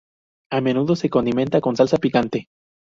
A menudo se condimenta con salsa picante.